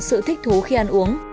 sự thích thú khi ăn uống